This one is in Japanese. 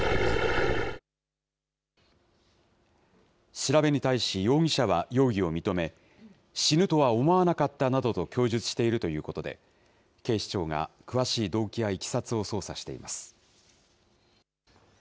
調べに対し、容疑者は容疑を認め、死ぬとは思わなかったなどと供述しているということで、警視庁が詳しい動機やいきさつを捜査しています。